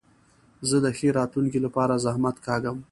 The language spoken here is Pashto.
زه د ښې راتلونکي له پاره زحمت کاږم.